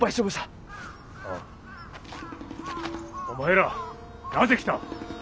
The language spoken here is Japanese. お前らなぜ来た？